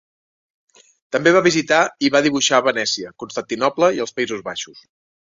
També va visitar i va dibuixar a Venècia, Constantinoble i els Països Baixos.